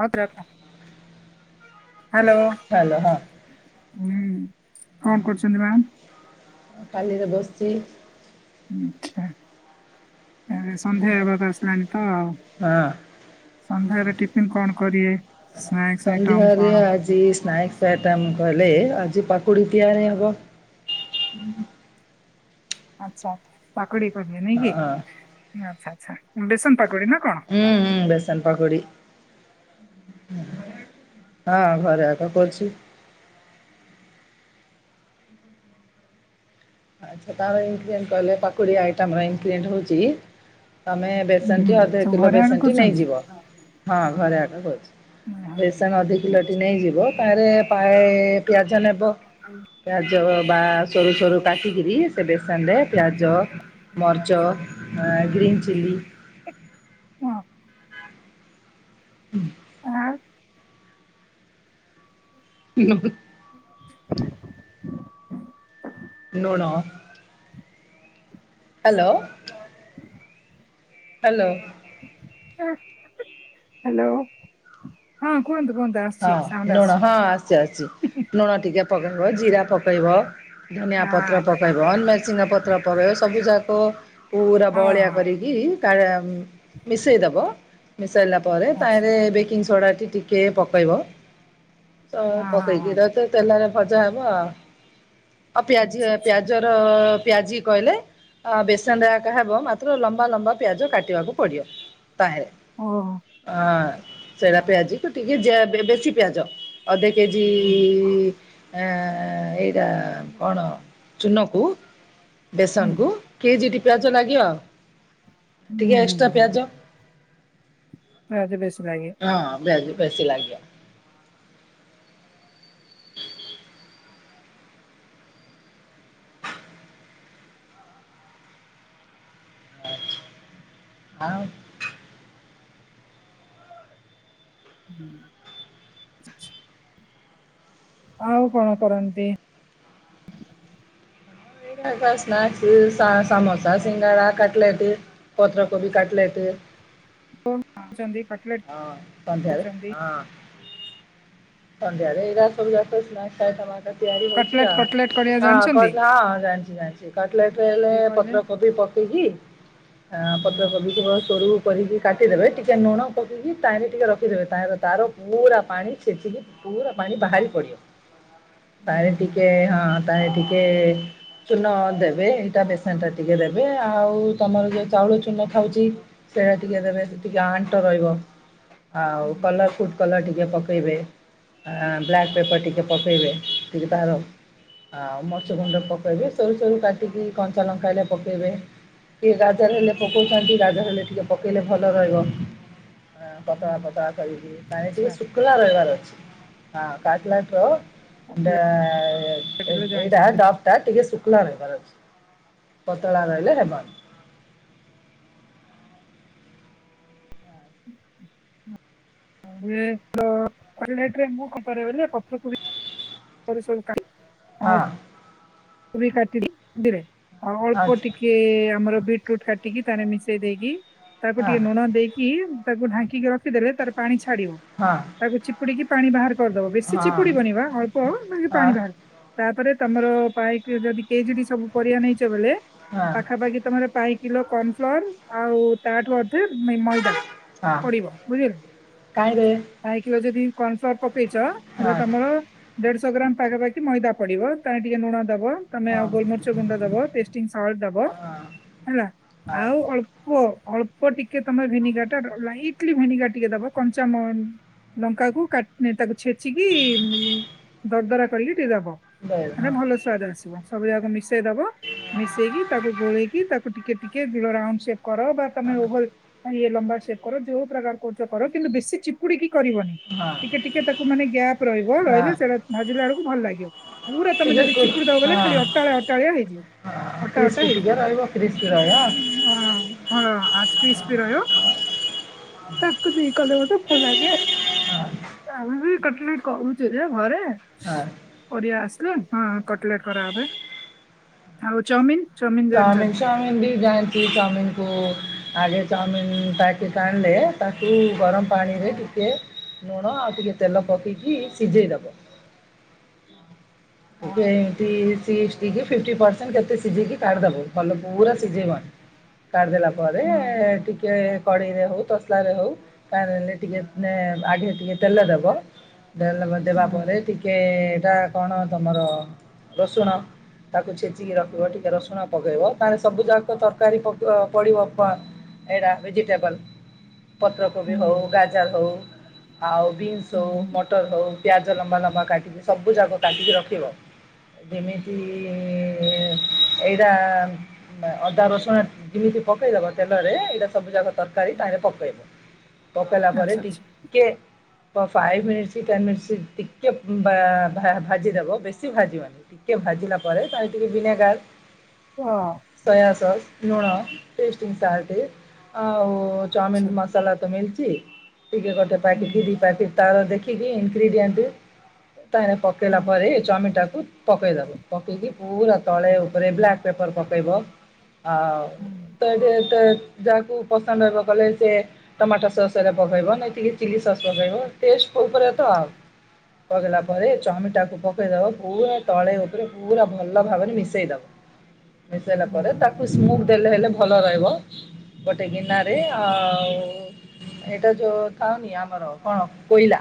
ହଁ ତ୍ରେୟତା ହାଲୋ ହୁଁ ହ୍ୟାଲୋ ହଁ। କଣ କରୁଚନ୍ତି ମ୍ୟାାମ? ଖାଲିରେ ବସିଚି। ଆଚ୍ଛା ଏଣେ ସନ୍ଧ୍ୟା ହେବାକୁ ଆସିଲାଣି ତ ଆଉ। ହଁ। ସନ୍ଧ୍ୟାରେ ଟିଫିନ୍‌ କଣ କରିବେ ସ୍ନାକ୍ସ ଆଇଟମ୍ ସନ୍ଧ୍ୟାରେ କଣ? ଆଜି ସ୍ନାକ୍ସ ଆଇଟମ୍ କଲେ ଆଜି ପକୁଡି ତିଆରି ହବ। ଆଚ୍ଛା ପାକୁଡି କରିବେ ନାଇଁ ହଁ କି ଆଚ୍ଛା ଆଚ୍ଛା ବେସନ ପାକୁଡି ନା କଣ? ହୁଁ ହୁଁ ବେସନ୍‌ ପକୁଡି ହଁ ଘରେ ଏକା କରୁଚି। ଆଚ୍ଛା ତାର ଏଇତି ପାଇଁ କହିଲ ପକୁଡି ଆଇଟମ୍ ର ଇନ୍କ୍ରିଏଣ୍ଟ ହୋଉଚି କି ତମେ ବେସନ ହୁଁ ଟି ଅଧ ସବୁ କିଲୋ ଘରେ ଆଗ ବେସନ ଟି କରୁଛନ୍ତି? ନେଇଯିବ ହଁ ଘରେ ଆଗେ କରୁଚି ବେସନ ଅଧ କିଲୋଟି ନେଇଯିବ ତାରେ ପାଏ ପିଆଜ ନବ, ପିଆଜ ବା ସୋରିଷ ରୁ କାଟିକିରି ସେ ବେସନରେ ପିଆଜ ମରିଚ ଗ୍ରୀନ୍ ଚିଲି ହୁଁ। ଆଁ ଉଁ ହୁଁ। ଲୁଣ ହ୍ୟାଲୋ। ହ୍ୟାଲୋ। ହ୍ୟାଲୋ ହଁ କୁହନ୍ତୁ କୁହନ୍ତୁ ଆ ହଁ ଲୁଣ ହଁ ଆସି ଆସୁଚି ଆସୁଚି ଲୁଣ ଟିକେ ପକେଇବ ଜିରା ପକେଇବ। ଧନିଆ ହଁ ପତ୍ର ପକେଇବ ନେଚିନା ପତ୍ର ପକାଇବ ସବୁଯାକ ପୁରା ହଁ ବଳିଆ ହଁ କରିକି କି କାରା ମିସେଇ ଦେବ ମିସେଇଲା ପରେ ଆଚ୍ଛା ତାଇରେ ବେକିଂଙ୍ଗ ସୋଡା ଟି କେ ପ କେଇବ ତ ହଁ ହଁ ପକେଇକି ହଁ ଏଟାତ ତେଲରେ ଭଜା ହବ ଆଉ। ଆଉ ପିଆଜି ହ ଆଚ୍ଛା ଆଚ୍ଛା ପିଆଜର ପିଆଜି କହିଲେ ଅ ବେସନ ଏକା ହେବ ମାତ୍ର ଲମ୍ବା ଲମ୍ବା ପିଆଜ କାଟିବାକୁ ପଡିବ ତାହିଁରେ। ହଁ ସେରା ପିଆଜି କୁ ଟିକେ ଜେ ବେ ବେଶୀ ପିଆଜ ଅଧେ କେଜିି ଆଁ ଏଇରା କଣ ଚୂନକୁ ବେସନକୁ କେଜିଟି ପିଆଜ ଲାଗିବ ଟିକେ ଏକ୍ସଟ୍ରା ପିଆଜ ପିଆଜ ବେଶି ଲାଗିବ। ହଁ ପିଆଜ ଫେଶି ଲାଗିବ। ଆଉ। ହୁଁ ଆଚ୍ଛା। ଆଉ କଣ କରନ୍ତି? ଏଇରା ଯା ସ୍ନାକ୍ସି ସା ସମୋସା ସିଙ୍ଗଡ଼ା କଟଲେଟି ପତ୍ରକୋବି କାଟଲେଟି [unintelligible] ହଁ ସନ୍ଧ୍ୟାରେ କରୁଚନ୍ତି। ହଁ। ସନ୍ଧ୍ୟାରେ ଏଇରା ସବୁ ଯାକ ସ୍ନାକ୍ସ ଆଇଟମ ଆକା ତିଆରି ହଉଛି କଟଲେଟ୍ ଆଉ। କଟଲେଟ୍ କରିବା ହଁ ଜାଣିଛନ୍ତି? କଟ୍ ହଁ ଜାଣିଛି ଜାଣିଛି କଟଲେଟ ହେଲେ ଟିକେ କହିଲେ? ପତ୍ରକୋବି ପକେଇକି ହଁ ହୁଁ। ପତ୍ର କୋବିକି ବହୁତ୍ ସରୁୁ କରିକି କାଟିଦେବେ ଟିକେ ଲୁଣ ପକେଇକି ତାଇଁରେ ଟିକେ ରଖିଦେବେ ତାହିଁର ତାର ପୁରା ପାଣି ଛେଚିକି ପୁରା ପାଣି ବାହାରି ପଡିବ, ହୁଁ, ତାଇରେ ହୁଁ, ଟିକେ ହଁ ତାଇରେ ଟିକେ ଚୂନ ଦେବେ ଏଇଟା ବେସନ ଟା ଟିକେ ଦେବେ ଆଉ ତମର ଯୋଉ ଚାଉଳ ଚୂନ ଖାଉଛି। ସୋୟା ଟିକେ ଦେବେ ହୁଁ, ଟିକେ ଆଣ୍ଟ ରହିବ ଆଉ ହୁଁ, କଲର୍ ଫୁଟ୍ କଲର୍ ଟିକେ ପକେଇବେ। ଆଁ ବ୍ଲାକ୍ ପେପର୍ ଟିକେ ପକେଇବେ ଟିକେ ତାହାର। ଆଉ ମରିଚଗୁଣ୍ଡ ପକେଇବେ ସରୁ ସରୁ କାଟିକି କଞ୍ଚା ଲଙ୍କାଇଲେ ପକେଇବେ। ଟିକେ ଗାଜର ହେଲେ ପକଉଛନ୍ତି ଗାଜର ହେଲେ ଟିକେ ପକେଇଲେ ଭଲ ରହିବ। ଆଁ ହୁଁ, ପତଳା ପତଳା କରିବି ତାହିଁ ଆଚ୍ଛା ଟିକେ ଶୁକ୍ଲା ରହିବାର ଅଛି। ହଁ କାଟଲାଟୋ ଏଇଟା କଟଲେଟ୍ ଏଇ ହେଲେ ଏଇଟା ଜାଣିଛନ୍ତି। ଡ ଟା ଟିକେ ଶୁକ୍ଲା ରହିବାର ଅଛି ପତଳା ରହିଲେ ହେବନି। [unintelligible] ପତ୍ରକୋବୀ। ସରୁ ସରୁ କା ହଁ। ପୁରୀ କାଟିଲି ଦିରେ ଆଉ ଅଳ୍ପ ଆଚ୍ଛା ଟିକେ ଆମର ବିଟ [unintelligible] କାଟିକି ତାନେ ମିଶେଇ ଦେଇକି ତାକୁ ହଁ ଟିକେ ଲୁଣ ଦେଇକି ତାକୁ ଢାଙ୍କିକି ରଖିଦେଲେ ତାର ପାଣି ଛାଡିବ। ହଁ। ତାକୁ ଚିପୁଡିକି ପାଣି ବାହାର କରିଦବ ବେଶୀ ହଁ ଚିପୁଡି ବନିବା ଅଳ୍ପ ମାନେ ହଁ ପାଣି ବାହାର ତାପରେ ତମର ପାଇକ୍ ଯଦି କେଜିଡି ସବୁ ପରିବା ନେଇଛ ବୋଲେ ହଁ ପାଖାପାଖି ତମର ପାଇକ୍ କିଲୋ କର୍ଣଫ୍ଲୋର ଆଉ ତାଠୁ ଅଧେ ମେମଇ ଦା ହଁ ପଡିବ ବୁଝିଲେ [unintelligible] ଯଦି କର୍ଣଫ୍ଲୋର ପକେଇଚ ହେଲେ ତମର ଦେଢଶହ ଗ୍ରାମ ପାଖାପାଖି ମଇଦା ପଡିବ ତାଲେ ଟିକେ ଲୁଣ ଦବ। ତମେ ଆଉ ଗୋଲମରିଚ ଗୁଣ୍ଡ ଦବ ଟେଷ୍ଟିଂ ସଲ୍ଟ ଦବ ହେଲା ଆଉ ଅଳ୍ପ ୱ ଅଳ୍ପ ଟିକେ ତମେ ଭିନିଗାର ଟା ଡ ଲାଇଟ୍ ଲି ଭିନିଗାର ଟିକେ ଦବ କଞ୍ଚାମ ଲଙ୍କା କୁ କା ତାକୁ ଛେଚିକି ଦରଦରା କରିକି ଟିକେ ଦବ। ମାନେ ଭଲ ସେ ସୁଆଦ ଆସିବ ସବୁ ଯାକ ମିଶେଇ ଦବ ମିଶେଇକି ତାକୁ ଗୋଳେଇକି ତାକୁ ଟିକେ ଟିକେଗ୍ଲୋ ରାଉଣ୍ଡ ସେ କର ବା ତମେ ଓହଲ ଇ ଲମ୍ବା ସେ କର ଯୋଉ ପ୍ରକାର କହୁଛ କର କିନ୍ତୁ ବେଶୀ ଚି ପୁଡିକି କରିବନି ଟିକେ ଟିକେ ତାକୁ ମାନେ ଗ୍ୟାପ ରହିବ ରହିଲେ ସେଇଟା ଭାଜିଲା ବେଳକୁ ଭଲ ଲାଗିବ ପୁରା ତମେ ଯଦି ସୁଯୋଗ ବଇଲେ ଖାଲି ଅଟାଳଆ ଅଟାଳିଆ ହେଇଯିବ ଅଟା ଅଟା ରହିବ ହେଇଯିବ ସେମା ରହିବ ହଁ ହଁ ଆଜ ପିସ୍ ବିି ରହିବ ତାକୁ ଦି କଲେ ମତେ ଫ [unintelligible] ଆମେ ବି କଟ ନାଇଟ କହୁଛୁରେ ଘରେ ହଁ ପରିଆ ଆସିଲେ ହଁ କଟଲାଟେ କରାହେବେ ଆଉ ଚାଉମିିନ ଚାଉମିିନ ଚାଉମିିନ ବି ଯାଣିନ୍ତି ଚାଉମିିନକୁ ଆଗେ ଚାଉମିିନ ପ୍ୟାକେଟ୍ ଆଣିଲେ ତାକୁ ଗରମ ପାଣିରେ ଟିକେ ନୁଣ ଆଉ ଟିକେ ତେଲ ପକେଇକି ସିଝେଇଦବ ସେ ଏମିତି ସିକ୍ସ ଟିକେ ଫିଫ୍ଟୀ ପର୍ସଅଣ୍ଟ କେତେ ସିଝେଇକି କାଢ଼ିଦବୁ ଭଲ ପୁରା ସିଝେଇବନ କାଢ଼ିଦେଲା ପରେ ଟିକେ କଡ଼େଇରେ ହଉ ତସଲାରେ ହଉ ତାହେଲେ ଟିକେମାନେ ଆଗେ ଟିକେ ତେଲ ଦବ ତେଲ [unintelligible] ଦେବା ପରେ ଟିକିଏ ଏଟା କ ଣ ତମର ରସୁଣ ତାକୁ ଛେଚିକି ରଖିବ ଟିକେ ରସୁ ଶୁଣ ପକେଇବ ତାହେଲେ ସବୁ ଯାକ ତରକାରୀ ପକିବ ପଡିବ ପ ଏଟା ଭେଜିଟେବଲ ପତ୍ରକୋବି ହଉ ଗାଜର ହଉ ଆଉ ବିନ୍ସ ହଉ ମଟର ହୋଉ ପିଆଜ ଲମ୍ବା ଲମ୍ବା କାଟିକି ସବୁ ଯାଗ କାଟିକି ରଖିବ ଯେମିତି ଏଇଟା ଅଦା ରସୁଣ ଯେମିତି ପକେଇଦବ ତେଲରେ ଏଇଟା ସବୁ ଯାକ ତରକାରୀ ତା ଇଏରେ ପକେଇବ ପକେଇଲା ପରେ ଟିକେ ଫାଇଭ୍ ମିନିଟ୍ସ ଟେନ୍ ମିନିଟ୍ସ ଟିକେ ଭା ଆ - ଭା ଭାଜିଦବ ବେଶୀ ଭାଜିବନି ଟିକେ ଭାଜିଲା ପରେ ତାମେ ଟିକେ ଭିନେଗାର ହଁ ସୋୟା ସସ୍ ଲୁଣ ଟେଷ୍ଟଟିଙ୍ଗ ସାଟେ ଆଉ ଚମିିନି ମସ ତାଲା ତ ମିଳଚି ଟିକେ [unintelligible] ତାର ଦେଖିକି [unintelligible] ତାର ପକେଇଲା ପରେ ଚମିନଟାକୁ ପକେଇଦବ ପକେଇକି ପୁରା ତଳେ ଉପରେ ବ୍ଲାକ୍ ପେପର ପକେଇବ ଆ ଉ। ତ ଏଠୁ ତ ଯାହାକୁ ପସନ୍ଦ ହେବ କଲେ ସେ! ଟମାଟୋ ସସ ରେ ପକେଇବ ନ ଚିଲି ଚିଲି ସସ୍ ପକେଇବ ଟେଷ୍ଟ ଉପରେ ତ ଆଉ। ପକାଇଲା ପରେ ଚମିଟାକୁ ପକାଇଦବ ପୁରା ତଳେ ଉପରେ ପୁରା ଭଲ ଭାବରେ ମିଶାଇଦବ। ମିାଇଲା ପରେ ତାକୁ ସ୍ମୁଗ ଦେଲେ ହେଲେ ଭଲ ରହିବ। ଗୋଟେ ଗିନାରେ ଆଉ। ଏଇଟା ଯୋଉ ଥାଉନି ଆମର କଣ କୋଇଲା।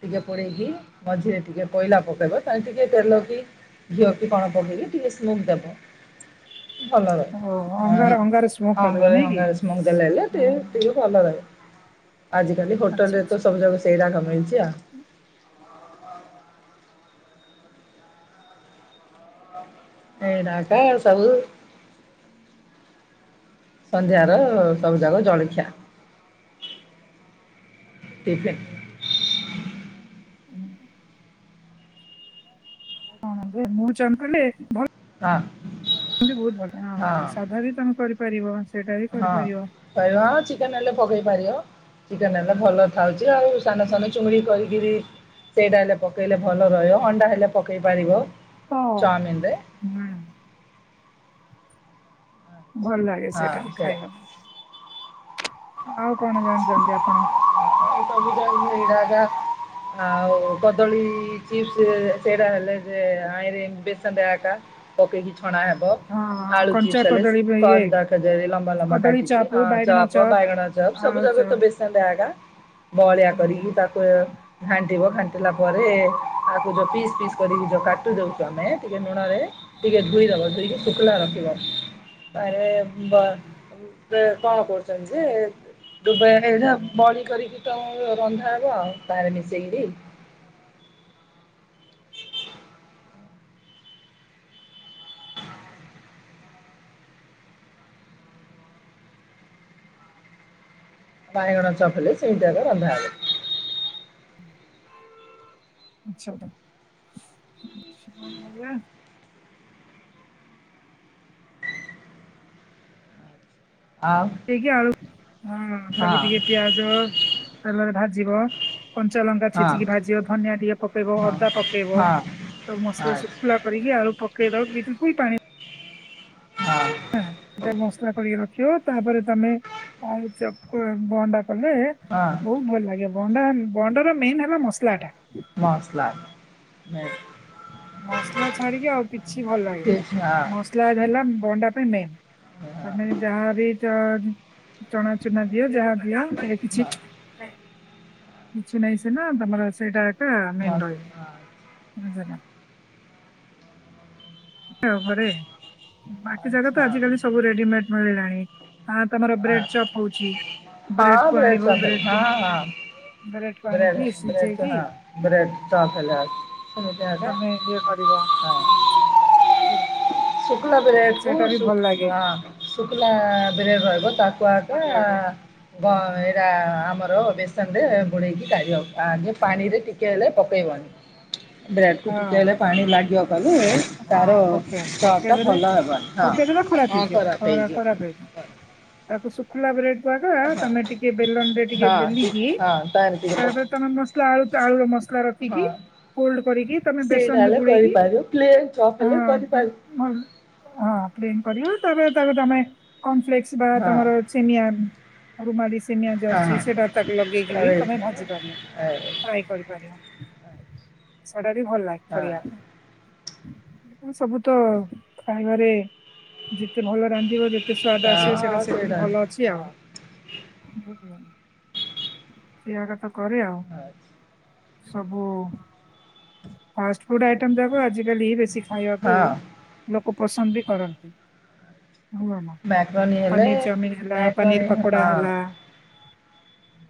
ଟିକେ ପୋଡେଇକି ମଝିରେ ଟିକେ କୋଇଲା ପକେଇବ ତାହି ଟିକେ ତେଲ କି ଘିଅ କି କଣ ପକେଇକ ଟିକେ ସ୍ମୁଗ୍ ଦେବ। ଭଲ ରହେ ଅଙ୍ଗାର ମଙ୍ଗାର ଶ୍ମୁଗ ଦେଲେ ହେଲେ ଟିକେ ହୁଁ, ଟିକେ ଭଲ ରହିବ। ଆଜିକାଲି ହୋଟେଲ ଆଚ୍ଛା, ରେ ତ ଆଚ୍ଛା। ସବୁ ଯାକ ସେଇରାଘ ମିଳିଚି ଆଉ। ଏରାକ ସଲି। ସନ୍ଧ୍ୟାରେ ସବୁଯାକ ଜଳଖିଆ। ଚିକେନ। ହୁଁ। ହଁ ଯେ ମୁଁ [unintelligible] ଭଲ ହଁ ବହୁତ ଭଲ ହଁ। ସାଧା ବି ତମେ କରିପାରିବ ସେଇଟା ବି ହଁ କରିପାରିବ। କହିବ ଚିକେନ ହେଲେ ପକେଇ ପାରିବ ଚିକେନ ହେଲେ ଭଲ ଥାଉଛି ଆଉ। ସାନସାନ ଚୁଙ୍ଗୁଡ଼ି କରିକିରି ସେଇଟା ହେଲେ ପକେଇଲେ ଭଲ ରହିବ ଅଣ୍ଡା ହେଲେ ପକାଇ ପାରିବ। ଅ ଚାଉମିନରେ ହୁଁ। ଭଲ ଲାଗେ ହଁ ସେଇଟାରେ ସେଇଆ। ଖାଇବା ପାଇଁ ଆଉ କଣ ଜାଣିଛନ୍ତି ଆପଣ। [unintelligible] ଆଉ କଦଳୀ ଚିପ୍ସ ସେରା ହେଲେ ଯେ ଆଇରେ ବେସନ ହାକା। ପକେଇକି ଛଣା ହେବ। ହଁ, ଆଳୁ କଞ୍ଚା ଚିପ୍ସ ହେଲେ କଦଳୀ ବି ଇଏ କନ୍ଦା ଖଜୀର ଲମ୍ବା ଲମ୍ବା କଦଳୀ କାଟିକି ଚପ୍, ଅ ବାଇଗଣ ଚପ ଚପ୍, ବାଇଗଣ ଚପ ସବୁ ଆଳୁ ଜାଗ ତ ଚପ୍। ବେଶ ତାହାଲେ ହାକା ବହଳିଆ କରିବି ହୁଁ ତାକୁ ଘାଣ୍ଟିବ ଘାଣ୍ଟିଲା ପରେ ତାକୁ ଯୋଉ ପିସ୍ ପିସ୍ କରିକି ଯୋଉ କାଟି ଦଉଛୁ ଆମେ ଟିକେ ଲୁଣ ରେ ଟିକେ ଧୁଇ ଦବ ଧୁଇକି ଶୁଖଲା ରଖିବ ତାରେ ବ ସବୁ ସେଟ୍କଣ କରୁଛନ୍ତି ଯେ ଦୁବେ ଏ ବଳି କରିକି ତମର ରନ୍ଧା ହବ ଆଉ ତାରେ ମିଶେଇକିରି। ବାଇଗଣ ଚପ୍ ଲେ ସେମିତି ଆକା ରନ୍ଧା ହବ। [unintelligible] ଆଉ ଏତିକି ଆଉ ହଁ ତାକୁ ଟିକେ ହଁ ପିଆଜ ତେଲରେ ଭାଜିବ। କଞ୍ଚା ଲଙ୍କା ହଁ ଛେଚିକି ଭାଜିବ ଧନିଆ ଟିକେ ପକେଇବ ଅଦା ହଁ ପକେଇବ ହଁ ତ ମସଲା ଶୁଖ ଆଚ୍ଛା କିଲା କରିକି ଆଳୁ ପକେଇ ଦବ ବିଲକୁଲ୍ ପାଣି ଦ ହଁ। ଏଟା ମସଲା କରିକି ରଖିବ ତାପରେ ତମେ ଆଳୁ ଚପ୍ କୁ ଭଅଣ୍ଡା କଲେ ହଁ। ବହୁତ ଭଲ ଲାଗେ ବଣ୍ଡା ବଣ୍ଡାର ମେନ୍ ହେଲା ମସଲାଟା। ମସଲା। [inaudible] ମସଲା ଛାଡିକି ଆଉ କିଛି ଭଲ ଠିକ୍ ହଁ ଲାଗେନି ମସଲା ଟା ହେଲା ବଣ୍ଡା ପାଇଁ ମେନ୍। ତମେ ହଁ ଯାହାବି ଚ ଚଣା ଚୁଣା ଦିଅ ଯାହା ଦିଅ ସେ କିଛି କିଛି ନାହିଁ ସିନା ତମର ସେଇଟା ଏଟା ମେନ୍ ମସ ର [unintelligible] [unintelligible] ଘରେ। ବାକି ଜାଗ ତ ଆଚ୍ଛା ଆଜିିକାଲି ସବୁ ରେଡିମେଡ ମିଳିଲାଣି ଆ ତମର ବ୍ରେଡ ଚପ୍ ହଉଛି। ବ୍ରେଡ ହଁ କୁ ବ୍ରେଡ଼ ଆଣିବ ଚପ୍ ବ୍ରେଡ ହଉଚି କୁ ହଁ କୁ ହଁ ବ୍ରେଡ ଆଣିକି ବ୍ରେଡ ଚ ସିଝେଇକି ହଁ। ବ୍ରେଡ଼ ଚପ୍ ହେଲା [unintelligible] ତମେ ଇଏ କରିବ ବ୍ରେଡ଼ କୁ ସେଇଟା ବି ଭଲ ଲାଗେ ହଁ ଶୁଖିଲ ବ୍ରେଡ଼ ରହିବ ତାକୁ ଆକା କରିବାକୁ ବ ଏଇଟା ଆମର ବେସନ ରେ ବୁଡ଼େଇକି କାଢ ଆଗେ ପାଣି ରେ ଟିକେ ହେଲେ ପକେଇବନି। ଁ ବ୍ରେଡ କୁ ଚୁକେଇଲେ ପାଣି ଲାଗିବ କରି ତାର ହଁ ପକେଇବ ଚପ୍ ଟା ପକେଇଦେଲେ ଭଲ ହେବନି ପକେଇ ଦେଲେ ହଁ ଖରାପ ହଁ ହେଇଯିବ ଖରାପ ଖରା ହେଇଯିବ। ତାକୁ ଶୁଖୁିଲା ବ୍ରେଡ କ ଆଗ ହଁ ତମେ ଟିକେ ବେଲନ ରେ ହଁ ଟିକେ ବେଲିକି ହଁ ତାର ଟିକେ ତାପରେ ତମେ ମସଲା ଆଳୁ କ ଆଳୁର ର ମସଲା ହଁ ରଖିକି କୋଲ୍ଡ କରିକି ତମେ ସେଇଟା ବେସନ ରେ ହେଲେ ବୁଡେଇକି କରିପାରିବ ପ୍ଲେନ୍ ଚପ୍ ହେଲେ କରିପାରିବ ହଁ। ହଁ ପ୍ଲେନ୍ କରିବ ତାପରେ ତାକୁ ତମେ କର୍ନଫ୍ଲେକ୍ସ ବା ହଁ ତମର [unintelligible] ରୁମାଳି ସିନିଆ ଯ ହଁ ଆସଛି ସେଟା ତାକୁ ଲଗେଇକି ବି ତମେ ଭାଜି ପାରିବ ହଁ ଫ୍ରାଏ କରିପାରିବ। ସେଟା ବି ଭଲ ଲାଗେ କରିବା ହଁ ପାଇଁ ସବୁ ତ ଖାଇବାରେ ଯେତେ ଭଲ ରାନ୍ଧିବ ଯେତେ ସ୍ଵାଦ ଆସିବ ହଁ ସେଇଟା ସେତିକି ଭଲ ଅ ଛି ହଁ ଆଉ। ଏଇଆ କଥା କରେ ଆଉ ସବୁ ଫାଷ୍ଟ ଫୁଡ ଆଇଟମ ଯାକ ଆଜିକାଲି ବେଶୀ ଖାଇବାକୁ ହଁ ଲୋକ ପସନ୍ଦ ବି କରନ୍ତି। ହୁଏନା ମ୍ୟାକର ଣୀ ହେଲେ ପନିର ଚାଉମିନ ହେଲା ପନିର ମ୍ୟାକରଣୀ ପକୋଡା ହଁ। ହେଲା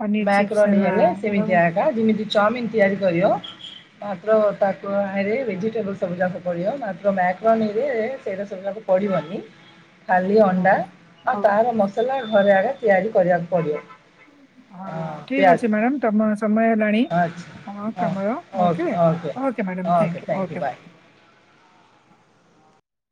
ପନିର ଚିପ୍ସ ମ୍ୟାକରନୀ ହେଲା ହେଲେ ହଉ ସେମିତି ଆଗା ଯେମିତି ଚଉମିିନ ତିଆରି କରିବ ମାତ୍ର ତାକୁ ଆରେ ଭେଜିଟେବଲ ସବୁ ଯାକ ପରିଅ ମାତ୍ର ମାକ୍ରୋନୀରେ ଏ ସେଇଟା ସବୁ ଯା ପଢ଼ିବନି। [inaudible] ଖାଲି ଅଣ୍ଡା ହଉ ଆଉ ତାର ମସଲା ଘରେ ଆଡ଼େ ତିଆରି କରିଆକୁ ପଡ଼ିବ। ହଁ ଠିକ ପିଆଜ ଅଛି ମ୍ୟାଡାମ ତମ ସମୟ ଏଲାଣି ଆଚ୍ଛା ଓକ ହଁ ମର okay okay madam thank you thank you okay bye okay